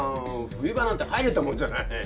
冬場なんて入れたもんじゃない。